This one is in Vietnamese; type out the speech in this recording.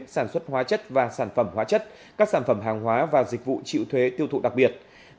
sản xuất hóa chất và sản phẩm hóa chất các sản phẩm hàng hóa và dịch vụ chịu thuế tiêu thụ đặc biệt